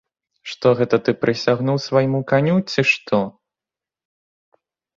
Што гэта ты прысягнуў свайму каню, ці што?